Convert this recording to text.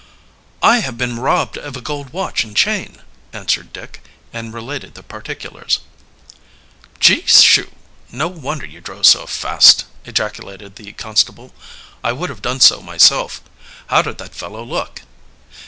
"I have been robbed of a gold watch and chain," answered Dick, and related the particulars. "Gee shoo! No wonder you drove fast," ejaculated the constable. "I would have done so myself. How did that fellow look?"